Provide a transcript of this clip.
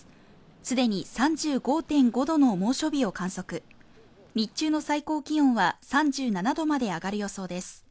すでに３５．５度の猛暑日を観測日中の最高気温は３７度まで上がる予想です